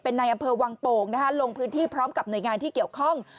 ในอำเภอวังโป่งลงพื้นที่พร้อมกับหน่วยงานที่เกี่ยวข้อง